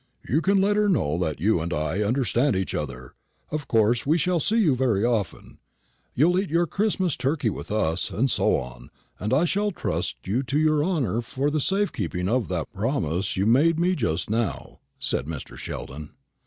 You can let her know that you and I understand each other. Of course we shall see you very often. You'll eat your Christmas turkey with us, and so on; and I shall trust to your honour for the safe keeping of that promise you made me just now," said Mr. Sheldon.